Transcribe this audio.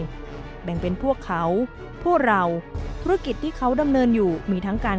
แบ่งเป็นพวกเขาพวกเราธุรกิจที่เขาดำเนินอยู่มีทั้งการ